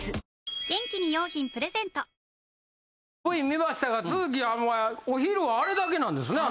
Ｖ見ましたが都築はお前お昼はあれだけなんですね